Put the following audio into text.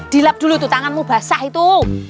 dilap dulu tuh tanganmu basah itu